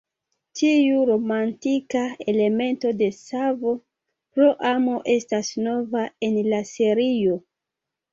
Tiu romantika elemento de savo pro amo estas nova en la serio.